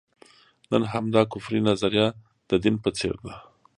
نن همدا کفري نظریه د دین په څېر ده.